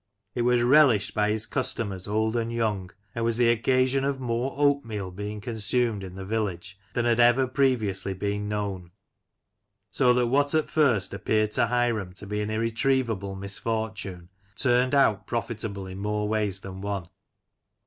It was relished by his customers old and young, and was the occasion of more oatmeal being consumed in the village than had ever previously been known; so that what at first appeared to Hiram to be an irretrievable misfortune turned out profitable in more ways than one.